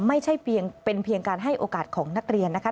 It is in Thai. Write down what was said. ไม่ใช่เป็นเพียงการให้โอกาสของนักเรียนนะคะ